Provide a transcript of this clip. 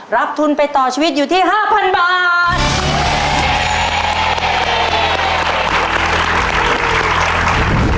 รับทุนไปต่อชีวิตอยู่ที่๕๐๐บาท